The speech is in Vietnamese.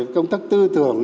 công thức tư thưởng